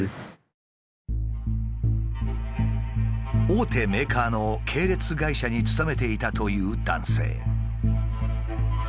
大手メーカーの系列会社に勤めていたという男性。